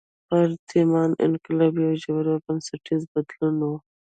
پرتمین انقلاب یو ژور او بنسټیز بدلون و.